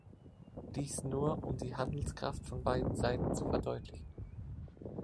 Dies nur, um die Handelskraft von beiden Seiten zu verdeutlichen.